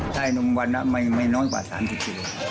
กลายนมวันนั้นไม่น้อยกว่า๓๐สิบ